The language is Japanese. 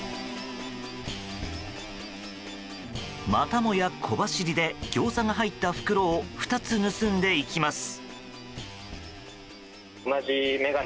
またもや小走りでギョーザが入った袋を２つ盗んでいきます。